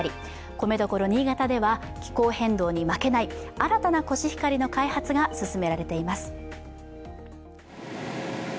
米どころ新潟では気候変動に負けない新たなコシヒカリの開発が進められています。